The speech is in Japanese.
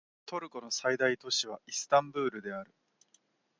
トルコの最大都市はイスタンブールである